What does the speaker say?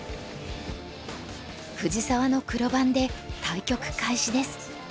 藤沢の黒番で対局開始です。